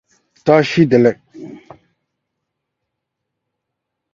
The single attained respectable international charting.